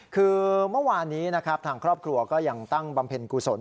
คือเมื่อวานนี้นะครับทางครอบครัวก็ยังตั้งบำเพ็ญกุศล